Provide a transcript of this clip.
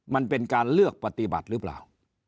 มันเป็นการเลือกปฏิบัติหรือเปล่า